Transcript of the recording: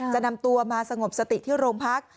จะนำตัวมาสงบสติที่โรงพัก